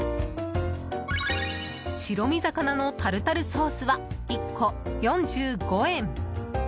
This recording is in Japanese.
白身魚のタルタルソースは１個４５円。